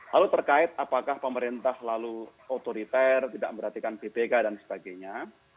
lalu terkait apakah pemerintah lalu otoriter tidak memperhatikan bpk dan sebagainya